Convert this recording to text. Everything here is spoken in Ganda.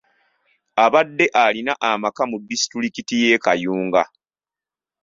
Abadde alina amaka mu disitulikiti y'e Kayunga.